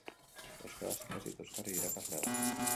Euskaraz ikasi eta euskara irakaslea da.